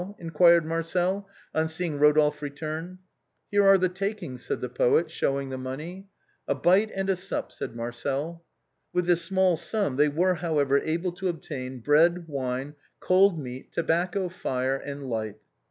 inquired Marcel, on seeing Eodolphe return. " Here are the takings," said the poet, showing the money. " A bite and a sup," said Marcel. With this small sum they were however able to obtain bread, wine, cold meat, tobacco, fire, and light.